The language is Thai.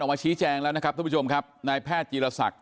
มาชี้แจงแล้วนะครับท่านผู้ชมครับนายแพทย์จีรศักดิ